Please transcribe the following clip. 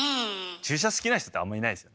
注射好きな人ってあんまいないですよね。